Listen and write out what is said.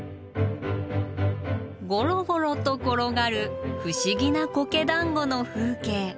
ゴロゴロと転がる不思議なコケだんごの風景。